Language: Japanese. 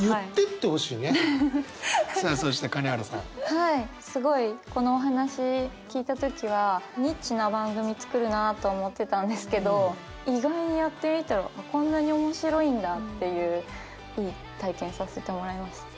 はいすごいこのお話聞いた時はニッチな番組作るなと思ってたんですけど意外にやってみたらこんなに面白いんだっていういい体験させてもらいました。